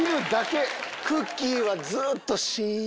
クッキーはずっとシン。